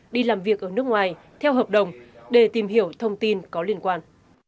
đi làm việc ở nước ngoài theo hợp đồng để tìm hiểu thông tin có liên quan